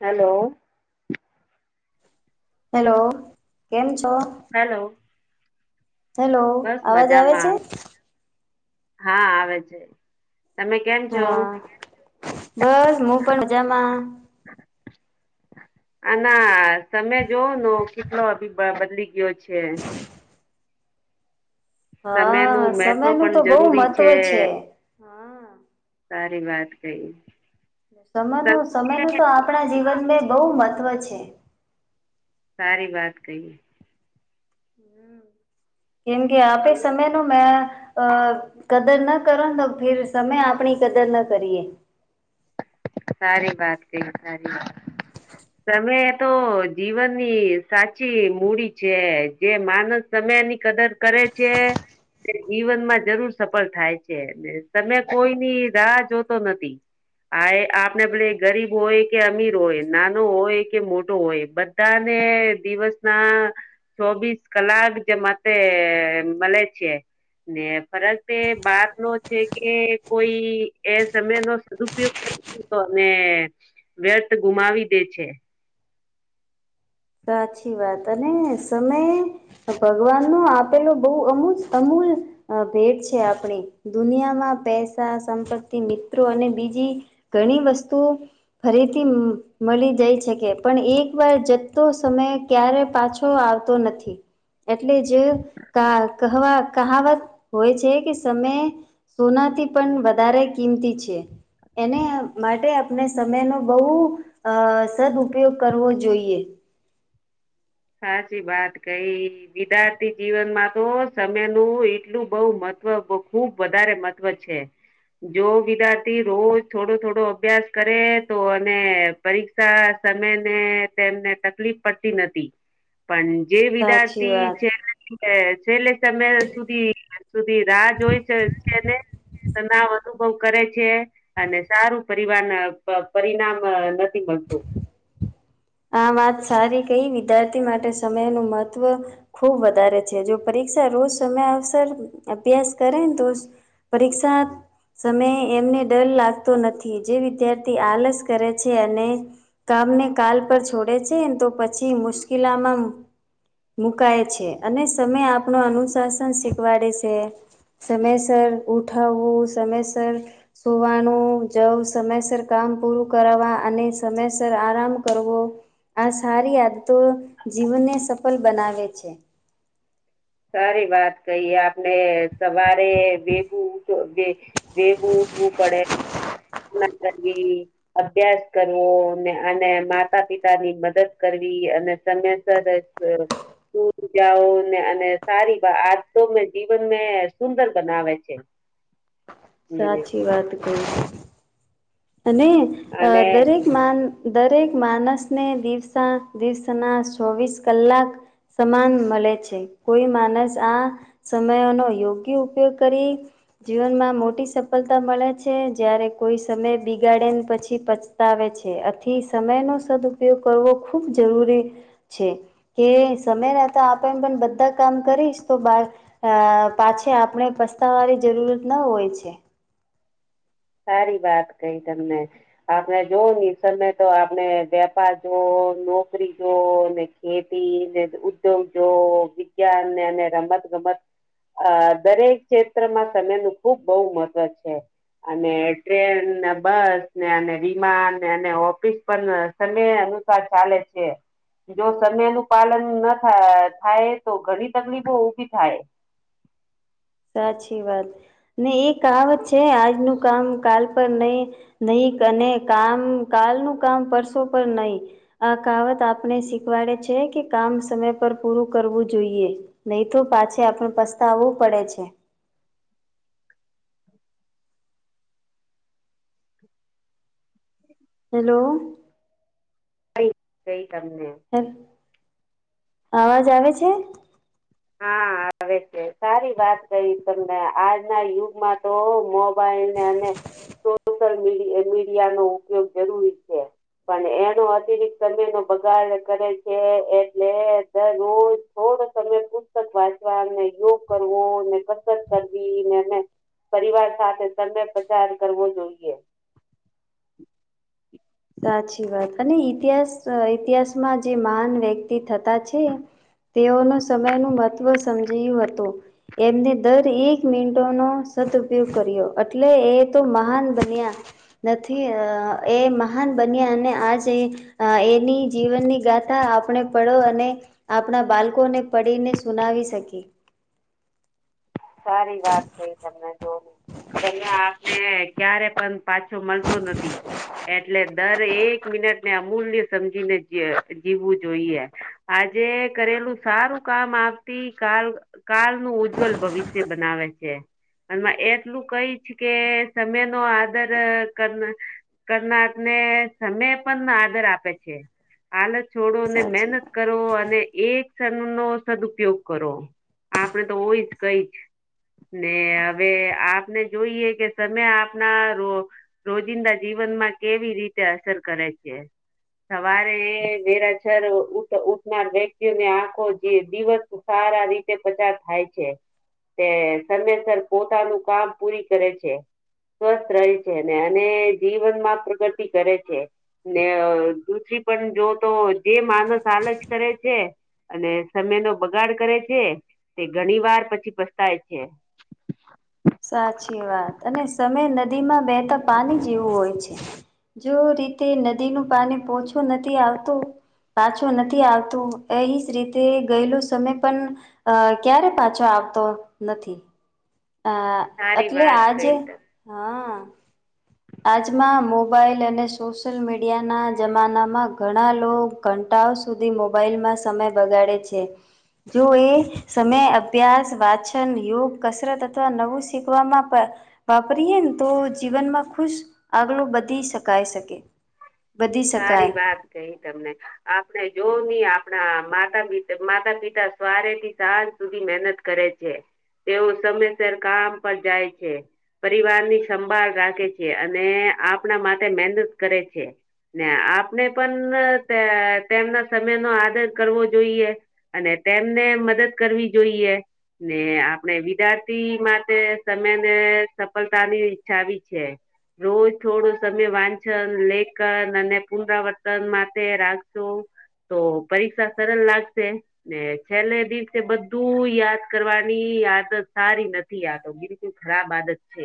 Hello hello કેમ છો hello hello અવાજ આવે છે મજામાં હા આવે છે તમે કેમ છો હા બસ હું પણ મજામાં આ ના તમે જોવો કેટલો અભ બદલી ગયો છે સમય હા નું મહત્વ સમય ન પણ તો બહુ જરૂરી મહત્ત્વ છે હા સારી વાત કઈ સમય ન સમય ન સારી તો વાત આપણા કહી જીવન મે બહુ મહત્વ છે સારી વાત કહીએ હમ કેમ કે આપે સમય ન મે અ કદર ના કર તો ફર સમમે આપણી કદર ના કરીએ સારી વાત કઈ સારી વાત તમે તો જીવનની સાચી મૂડી છે જે માનસ સમય ની કદર કરે છે જીવનમાં જરૂર સફળ થાય છે તમે કોઈની રાહ જોતો નથી આ એ આપને પલે ગરીબ હોય કે અમીર હોય નાનો હોય કે મોટો હોય બધા બધાને દિવસ ના ચોવીસ કલાક જેમ મળે છે ને ફરક એ વાત નો છે કે કોઈ એ સમય નો ઉપયોગ કર તો અને વ્યર્થ ગુમાવી દે છે સાચી વાત અને સમય ભગવાન નો આપેલોું બહુ અમુલ અમૂલ અ ભેટ છે આપણી દુનિયામાં પૈસા સંપત્તિ મિત્રો અને બીજી ઘણી વસ્તુ ફરીથી મળી જાય શકે પણ એક વાર તો સમય ક્યારે પાછો આવતો નથી એટલે જ ક કહવા કહાવત હોય છે કે સમય સોનાથી પણ વધારે કિંમતી છે એને માટે આપણે સમય ન બહુ અ સદ ઉપયોગ કરવો જોઈએ સાચી વાત કઈ વિદ્યાર્થી જીવનમાં તો સમય નું એટલું બઉ મહત્વ ખુબ વધારે મ છે જો વિદાર્થી રોજ થોડો થોડો અભ્યાસ કરે તો અને પરીક્ષા સમય ને તેમને તકલીફ પડતી નથી પણજે સાચી વિદારથી વાત છે એ છેલ્લે સમય સુધી સુધી રાહ જો હોય છે છે ને તનાવ અનુભવ કરે છે અને સારું પરવાર પરિણામ મળશો આ વાત સારી કઈ વિદ્યાર્થી માટે સમય નું મહત્વ ખુબ વધારે છે જો પરીક્ષા રોજ સમય અવસર અભ્યાસ કરે ને તો પરીક્ષા સમયે એમને ડર લાગતો નથી જે વિદ્યાર્થી આળસ કરે છે અને કામને કાલ પર છોડે છે તો પછી મુશ્કેલીમાં મુકાય છે અને સમય આપનો અનુશાસન શીખવાડે છે. સમયસર ઉઠવું સમયસર સુવાનુ જવ સમયસર કામ પૂરું કરવાવા અને સમયસર આરામ કરવો આ સારી આદતો જીવનને સફળ બનાવે છે. સારી વાત કહીએ આપણે સવારે ભેગું વેલુ ઉઠવું પડે. અભ્યાસ કરવો અને માતા પિતા ની મદદ કરવી અને સમયસર તું જાઓ ને અને સારી આજ તો મેં જીવન મેં સુંદર બનાવે છે. હમ. સાચી વાત કઈ અને અને દરેક દરેક માણસને દિવસના ચોવીસ કલાક સમાન મળે છે કોઈ માણસ આ સમયનો યોગ્ય ઉપયોગ કરીએ જીવનમાં મોટી સફળતા મળે છે જયારે કોઈ સમય બગાડીને પછી પસ્તાવે છે આથી સમયનો સદઉપયોગ કરવો ખૂબ જરૂરી છે કે સમય નતા આપે પણ બધા કામ કરીશ તો બાળ અ પછી આપણે પસ્તાવાની જરૂરત ના હોય છે સારી વાત કઈ તમને આપણે જોવ સમય તો આપણે વેપાર જોવ નોકરી જોવને ખેતીને ઉદ્યોગો વિજ્ઞાનને અને રમત ગમત દરેક ક્ષેત્રમાં સમય નું ખુબ બહુ મહત્વ છે. અને ટ્રેન ને બસ ને અને વિમાન અને ઓફિસ પણ તેને અનુસાર ચાલે છે. જો સમયનું પાલન ન થાય તો ઘણી તકલીફો ઊભી થાય. સાચી વાત ને એ કહાવત છે આજનું કામ કાલ પર નહી. નહી અને કામ કાલ નુ કામ પરશો પર નહી. આ કહાવત આપને શીખવાડે છે કે કામ સમય પર પૂરું કરવું જોઈએ. નહી તો પાછે આપણ પસ્તાવવું પડે છે. હેલો ક કઈ તમને અવાજ આવે છે? હા આવે છે સારી વાત કહી તમને આજના યુગમાં તો મોબાઈલને અને સોશિયલ મીડિયા નો ઉપયોગ જરૂરી છે. પણ એનો અતિરિક્ત સમય નો બગાડ કરે છે એટલે મે રોજ થોડ સમય વાચવા યોગ કરવોને કસરત કરવીને પરિવાર સાથે સમય પસાર કરવો જોઈએ. સાચી વાત અને ઇતિહાસ ઇતિહાસમાં જે મહાન વ્યક્તિ થતા છે. તેઓનો સમયનું મહત્ત્વ સમજયુ હતું. એમને દર એક મિનટોનો સદઉપયોગ કર્યો એટલે એ તો મહાન બન્યા. નથી એ મહાન બન્યા અને આજ એની જીવનની ગાથા આપણે પડો અને આપણા બાળકોને પડીને સુનાવી શકી સારી વાત કઈ તમને જોનું તમે આ ને ક્યારે પણ પાછો મળતો નથી એટલે દર એક મિનટને અમૂલ્ય સમજીને જીવવું જોઈએ આજે કરેલું સારું કામ આવતી કાલ કાળનું ઉજ્જવલ ભવિષ્ય બનાવે છે અને એટલું કઈ છે કે સમય નો આદર કર કરનાર ને સમય પણ આદર આપે છે હાલત છોડો ને સાચી વાત મહેનત કરો અને એક સન નો સદઉપયોગ કરો આપડે તો હોય જ કઈ જ ને હવે આપને જોઈએ કે તમે આપના રો રોજિંદા જીવન માં કેવી રીતે અસર કરે છે સવારે વેરાછર ઉઠનાર વ્યક્તિઓને આખો જે દિવસ સારા રીતે પચાર થાય છે તે સમવેસર પોતાનું કામ પૂરી કરે છે સ્વસ્થ રહે છે ને અને જીવનમાં પ્રગતિ કરે છે ને દુરી પણ જો તો જે માણસ હાલ જ કરે છે અને સમય નો બગાડ કરે છે તે ઘણી વાર પછી પસ્તાય છે સાચી વાત અને સમય નદીમાં બેહેતા પાણી જેવું હોય છે જો રીતે નદીનું પાણી પોછું નથી આવતું પાછો નથી આવતું એ જ રીતે ગયેલોું સમય પણ અ ક્યારે પાછો આવતો નથી હ સારી એટલે વાત આજે કહી તમે હા આજમાં મોબાઈલ અને સોશિલ મીડિયાના જમાનામાં ઘણા લોકો ઘંટાઓ સુધી મોબાઈલમાં સમય બગાડે છે જો એ સમય અભ્યાસ વાચન યોગ કસરત અથવા નવું શીખવામાં વાપરીએ ને તો જીવનમાં ખુશ આગળું બધી શકાય શકે વધી સારી શકાય વાત કહી તમને આપણે જોવ નહી આપણા માતા પ માતા પિતા સવારે થી સાજ સુધી મહેનત કરે છે તેવું સમયસર કામ પર જાય છે પરિવાર ની સંભાળ રાખે છે અને આપણા માટે મહેનત કરે છે ને આપણે પણ તેમના સમય નો આદર કરવો જોઈએ અને તેમને મદદ કરવી જોઈએ ને આપણે વિદ્યાર્થી માટે સમમે ને સફળતાની ઈચ્છા આવી છે રોજ થોડો સમય વાંછન લેકન પુનરાવર્તન માટે રાખશો તો પરીક્ષા સરલ લાગશે ને છેલ્લે દિવસે બધું યાદ કરવાની આદત સારી નથી નથી આતો બિલકુલ ખરાબ આદત છે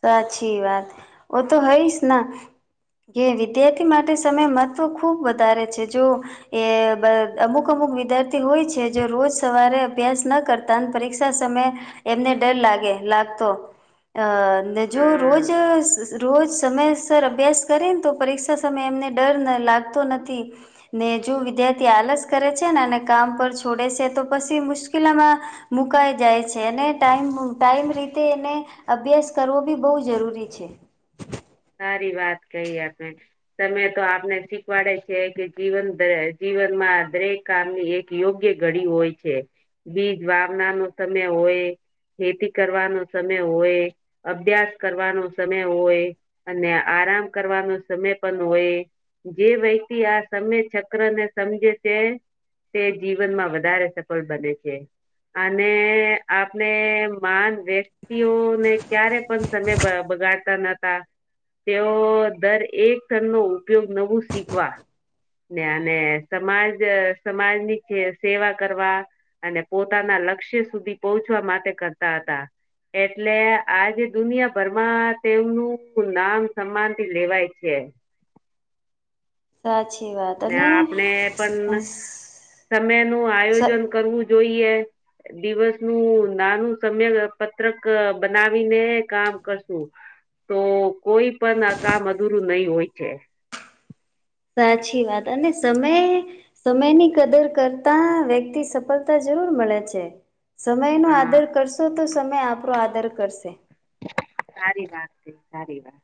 સાચી વાત ઓ તો હઈશ ને જે વિદ્યાર્થી માટે સમય મહત્ત્વ ખૂબ વધારે છે જો એ અમુક અમુક વિદ્યાર્થી હોય છે જો રોજ સવારે અભ્યાસ ના કરતા ત પરીક્ષા સમય એમને ડર લાગે લાગતો અ અને જો હા રોજ રોજ સમય સર અભ્યાસ કરીેને તો પરીક્ષા સમયે એમને ડર લાગતો નથી ને જો વિદ્યાર્થી આલસ કરે છે ને અને કામ પર છોડે છે તો પછી મુશ્કેલમાં મુકાઈ જાય છે અને ટમ ટાઈમ રીતે એને અભ્યાસ કરવો બી બહુ જરૂરી છે સારી વાત કહી આપે તમે તો આપને શીખવાડે છે કે જીવન જીવનમાં દરેક કામની એક યોગ્ય ઘડી હોય છે બીજ વાવના નો સમય હોય ખેતી કરવાનો સમય હોય અભ્યાસ કરવાનો સમય હોય અને આરામ કરવાનો સમય પણ હોય જે વ્યક્તિ આ સમય ચક્ર ને સમજે છે તે જીવનમાં વધારે સફળ બને છે અને આપને માન વ્યક્ત ્યતિઓને ક્યારે પણ સમય બગાડતા નતા. તેઓ દર એક તણ નો ઉપયોગ નવું શીખવા. ને અને સમાજ સમાજની સેવા કરવા. અને પોતાના લક્ષ્ય સુધી પહોંચવા માટે કરતા હતા. એટલે આજે દુનિયાભરમાં તેમનું. નામ સન્માન થી લેવાય છે. સાચી વાત. ને અને આપણે પણ સમય નું આયોજન કરવું જોઈએ. દિવસ નું નાનું સમય પત્રક બનાવીને કામ કરશુ. તો કોઈ પણ કામ અધૂરું નહી હોય છે. સાચી વાત અને સમય સમયની કદર કરતા વ્યક્તિ સફળતા જરૂર મળે છે. સમય નો હા આદર કરશો તો સમય આપણો આદર કરશે. સારી વા સારી વા.